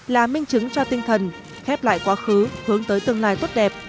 là minh chứng cho tinh thần khép lại quá khứ hướng tới tương lai tốt đẹp